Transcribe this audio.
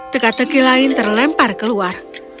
teka teki lain terlempar keluar